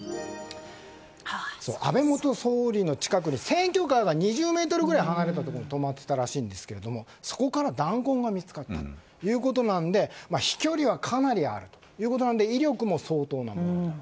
安倍元総理の近くに選挙カーが２０ｍぐらい離れたところに止まっていたらしいんですがそこから弾痕が見つかったということなので飛距離はかなりあるということなので威力も相当なものだと。